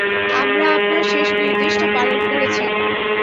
আমরা আপনার শেষ নির্দেশটা পালন করেছি!